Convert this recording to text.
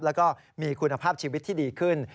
แล้วก็มีคุณภาพชีวิตที่ดีขึ้น